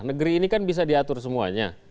negeri ini kan bisa diatur semuanya